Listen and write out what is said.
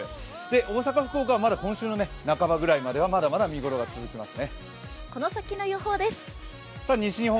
大阪、福岡は今週の半ばくらいまでまだまだ見頃が続きます。